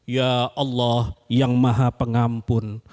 ya allah yang maha pengampun